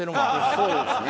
そうですね。